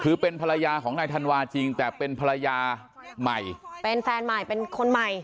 คือเป็นภรรยาของนายธันวาจริงแต่เป็นภรรยาใหม่เป็นแฟนใหม่เป็นคนใหม่